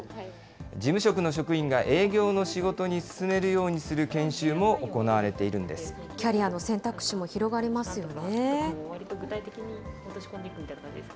事務局の職員が営業の仕事に進めるようにする研修も行われているキャリアの選択肢も広がりますよね。